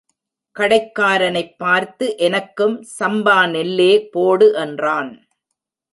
கடைக்காரனைப் பார்த்து, எனக்கும் சம்பா நெல்லே போடு என்றான்.